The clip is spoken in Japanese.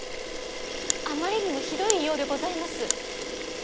あまりにもひどい言いようでございます。